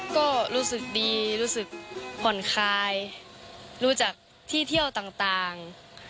ก็รู้สึกดีรู้สึกผ่อนคลายรู้จักที่เที่ยวต่าง